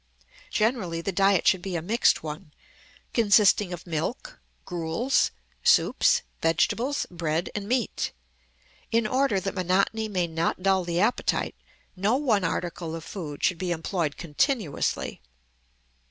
Generally the diet should be a mixed one, consisting of milk, gruels, soups, vegetables, bread, and meat. In order that monotony may not dull the appetite, no one article of food should be employed continuously.